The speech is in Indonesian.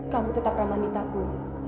kamu tetap ramah mitaku